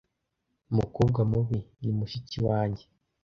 mukobwa mubi ni mushiki wanjye.